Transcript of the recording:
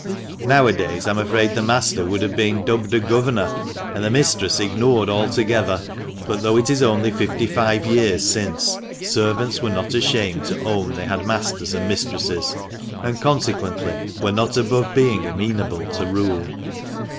Nowadays I'm afraid the master would have been dubbed a " governor," and the mistress ignored altogether ; but, though it is only fifty five years since, servants were not ashamed to own they had masters and mistresses, and, consequently, were not above being amenable to rule.